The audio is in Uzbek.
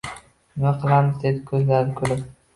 — Nima qilamiz? — dedi ko‘zlari kulib.